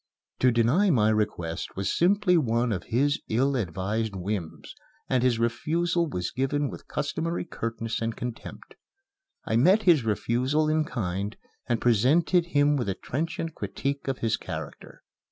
To deny my request was simply one of his ill advised whims, and his refusal was given with customary curtness and contempt. I met his refusal in kind, and presented him with a trenchant critique of his character.